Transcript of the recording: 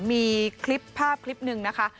มีคลิปภาพคลิปหนึ่งนะคะ